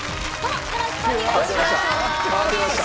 よろしくお願いします。